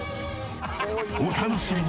お楽しみに。